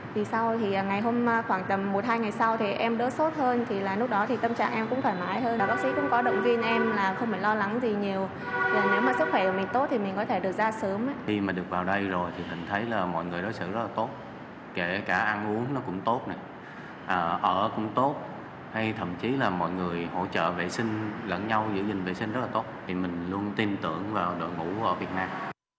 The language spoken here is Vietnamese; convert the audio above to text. bệnh nhân lẫn nhau giữ gìn vệ sinh rất là tốt thì mình luôn tin tưởng vào đội ngũ việt nam